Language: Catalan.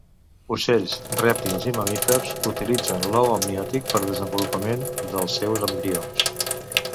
Ocells, rèptils i mamífers utilitzen l'ou amniòtic pel desenvolupament dels seus embrions.